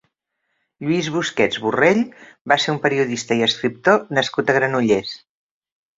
Lluís Busquets Borrell va ser un periodista i escriptor nascut a Granollers.